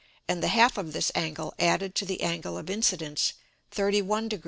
and the half of this Angle added to the Angle of Incidence 31 deg.